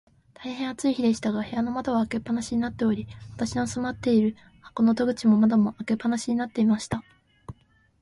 大へん暑い日でしたが、部屋の窓は開け放しになっており、私の住まっている箱の戸口も窓も、開け放しになっていました。